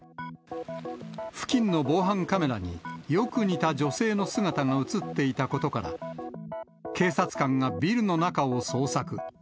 付近の防犯カメラに、よく似た女性の姿が写っていたことから、警察官がビルの中を捜索。